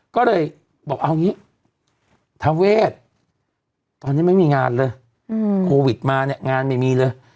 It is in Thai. ก็เลยบอกเอาอย่างนี้ทาเวทตอนนี้ไม่มีงานเลยโควิดมาเนี่ยงานไม่มีเลย